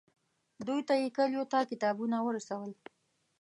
دوی ته یې کلیو ته کتابونه ورسول.